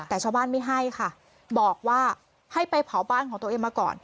แต่ชาวบ้านไม่ให้ค่ะบอกว่าให้ไปเผาบ้านของตัวเองมาก่อน